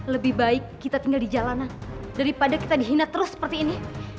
lebih baik kita tinggal di jalanan daripada kita dihina terus seperti ini